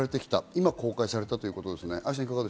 今、公開されたということです。